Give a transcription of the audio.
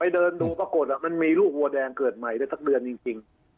ดูปรากฏอ่ะมันมีลูกหัวแดงเกิดใหม่ได้สักเดือนจริงจริง